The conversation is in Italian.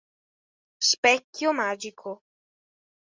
Specchio magico